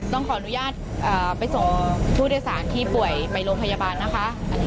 ต้องขออนุญาตไปส่งผู้โดยสารที่ป่วยไปโรงพยาบาลนะคะ